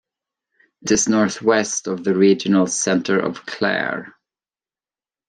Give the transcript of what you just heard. It is north west of the regional centre of Clare.